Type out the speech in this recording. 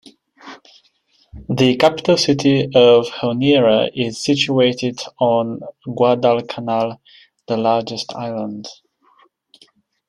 The capital city of Honiara is situated on Guadalcanal, the largest island.